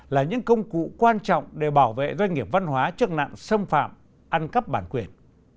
là những công cụ quan trọng để bảo vệ doanh nghiệp văn hóa trước nạn xâm phạm ăn cắp bản quyền